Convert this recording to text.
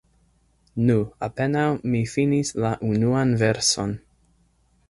Nu, apenaŭ mi finis la unuan verson.